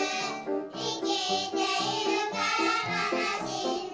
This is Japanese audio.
「いきているからかなしいんだ」